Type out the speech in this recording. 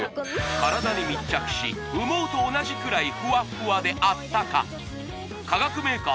体に密着し羽毛と同じくらいふわっふわであったか科学メーカー